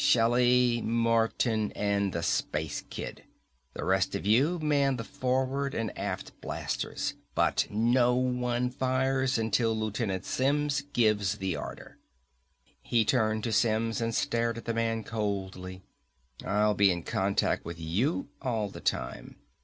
Shelly, Martin, and the Space Kid. The rest of you man the forward and aft blasters. But no one fires until Lieutenant Simms gives the order!" He turned to Simms and stared at the man coldly. "I'll be in contact with you all the time.